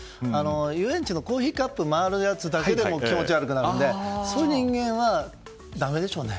遊園地のコーヒーカップを回るやつだけでも気持ち悪くなるのでそういう人間はだめでしょうね。